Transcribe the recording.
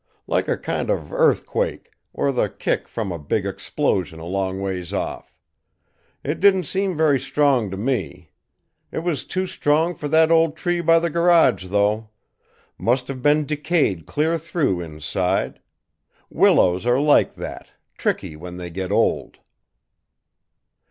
Like a kind of earthquake, or the kick from a big explosion a long ways off? It didn't seem very strong to me. It was too strong for that old tree by the garage, though! Must have been decayed clear through inside. Willows are like that, tricky when they get old."